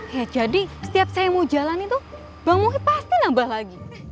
ya jadi setiap saya mau jalan itu bang muhid pasti nambah lagi